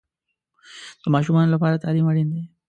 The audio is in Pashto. د ماشومانو لپاره تعلیم اړین دی.